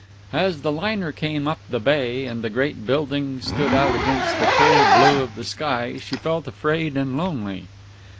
As the liner came up the bay, and the great buildings stood out against the clear blue of the sky, she felt afraid and lonely.